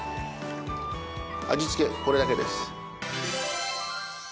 味付けこれだけです。